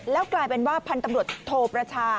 แล้วกลายเป็นว่าพันธุ์ตำรวจโทประชา